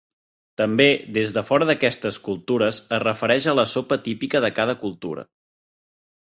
També, des de fora d'aquestes cultures es refereix a la sopa típica de cada cultura.